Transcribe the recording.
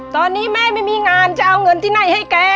ตอนนี้แม่ไม่มีงานจะเอาเงินที่ไหนให้แก